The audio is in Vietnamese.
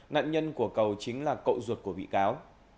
nạn nhân của cầu chính là cậu ruột của bị cáo